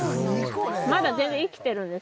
まだ全然生きてるんです。